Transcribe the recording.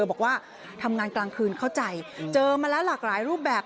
บอกว่าทำงานกลางคืนเข้าใจเจอมาแล้วหลากหลายรูปแบบ